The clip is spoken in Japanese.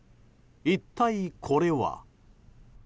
一体これは。